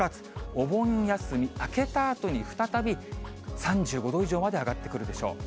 お盆休み明けたあとに再び、３５度以上まで上がってくるでしょう。